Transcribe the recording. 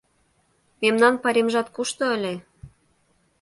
Мемнан пайремжат кушто ыле?